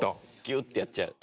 ギュッてやっちゃう。